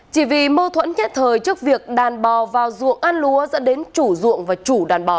chỉ vì mâu thuẫn nhất thời trước việc đàn bò vào ruộng ăn lúa dẫn đến chủ ruộng và chủ đàn bò